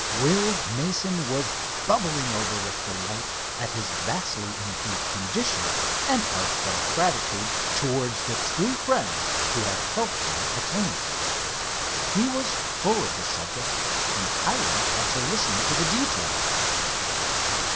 Will Mason was bubbling over with delight at his vastly improved condition and heartfelt gratitude towards the true friends who had helped him attain it. He was full of the subject and Hiram had to listen to the details.